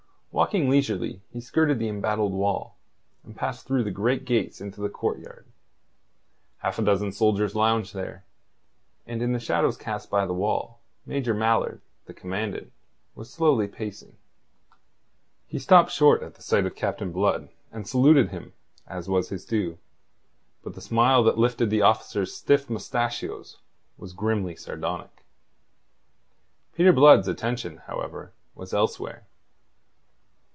Walking leisurely, he skirted the embattled wall, and passed through the great gates into the courtyard. Half a dozen soldiers lounged there, and in the shadow cast by the wall, Major Mallard, the Commandant, was slowly pacing. He stopped short at sight of Captain Blood, and saluted him, as was his due, but the smile that lifted the officer's stiff mostachios was grimly sardonic. Peter Blood's attention, however, was elsewhere.